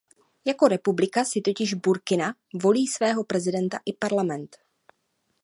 Jako republika si totiž Burkina volí svého prezidenta i parlament.